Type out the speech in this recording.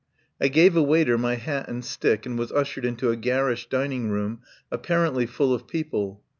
I gave a waiter my hat and stick, and was ushered into a garish dining room, apparently full of people.